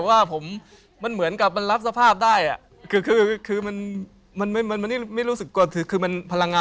อาทิตย์ตะกี่ครั้ง